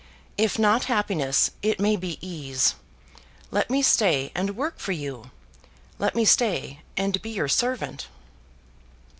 "If not happiness, it may be ease. Let me stay and work for you let me stay and be your servant."